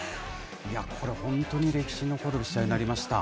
いや、これ、本当に歴史に残る試合になりました。